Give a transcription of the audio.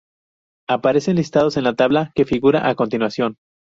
Aparecen listados en la tabla que figura a continuación.